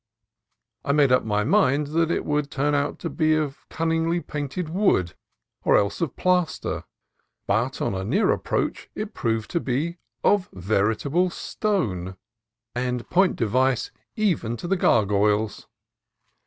I made up my mind that it would turn out to be of cunningly painted wood, or else of plaster; but on a near approach it proved to be of veritable stone, and point device even to the gar goyles.